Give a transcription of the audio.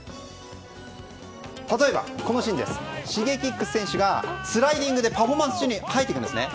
例えばＳｈｉｇｅｋｉｘ選手がスライディングでパフォーマンス中に入ってくるんですね。